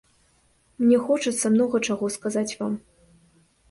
Мне хочацца многа чаго сказаць вам.